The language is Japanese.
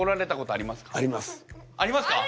ありますか！？